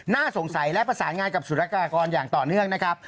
น่าสงสัยและประสานงานกับสุรกากรอย่างต่อเนื่องนะครับ